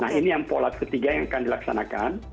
nah ini yang pola ketiga yang akan dilaksanakan